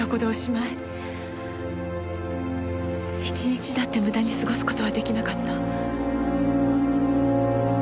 １日だって無駄に過ごす事は出来なかった。